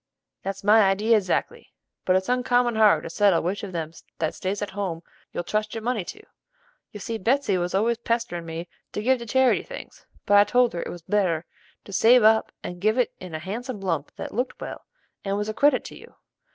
"That's my idee exactly; but it's uncommon hard to settle which of them that stays at home you'll trust your money to. You see Betsey was always pesterin' me to give to charity things; but I told her it was better to save up and give it in a handsome lump that looked well, and was a credit to you.